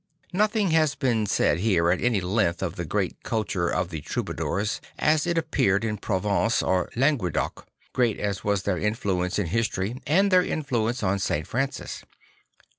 Nothing has been said here at any length of the gTeat culture of the Troubadours as it appeared in Provence or Languedoc, great as \vas their influ ence in history and their influence on St. Francis.